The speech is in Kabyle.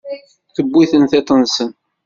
Tewwi-ten tiṭ-nsen.